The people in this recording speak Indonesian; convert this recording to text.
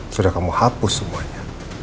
sudah kamu hapus semuanya